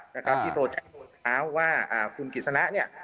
นะครับที่โตเช็บข่าวว่าคุณกฤษณะเนี่ย